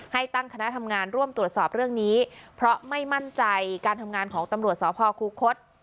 ให้ตั้งคณะทำงานร่วมตรวจสอบเรื่องนี้เพราะไม่มั่นใจการทำงานของตำรวจสพคูคศ